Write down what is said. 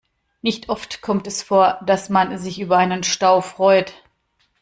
Nicht oft kommt es vor, dass man sich über einen Stau freut.